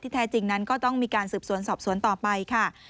แท้จริงนั้นก็ต้องมีการสืบสวนสอบสวนต่อไปค่ะ